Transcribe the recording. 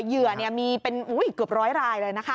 เหยื่อมีเป็นเกือบร้อยรายเลยนะคะ